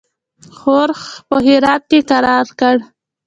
ښورښ په هرات کې کرار کړ.